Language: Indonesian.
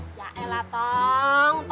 ya elah tong